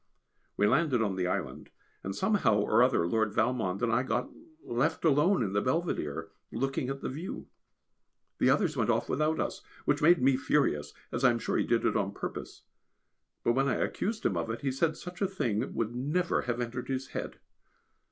We landed on the island, and somehow or other Lord Valmond and I got left alone in the Belvedere looking at the view. The others went off without us, which made me furious, as I am sure he did it on purpose. But when I accused him of it, he said such a thing would never have entered his head.